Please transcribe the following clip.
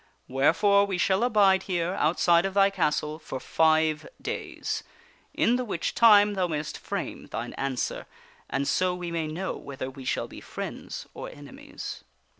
Wherefore we shall abide here, outside of * rance thy castle, for five days, in the which time thou mayst frame thine answer, and so we may know whether we shall be friends or enemies."